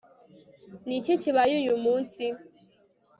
ni iki kibaye uyu munsi